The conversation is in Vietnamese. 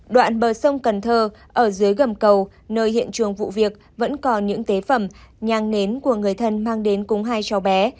đoạn bờ sông cần thơ ở dưới gầm cầu nơi hiện trường vụ việc vẫn còn những tế phẩm nhang nến của người thân mang đến cùng hai cháu bé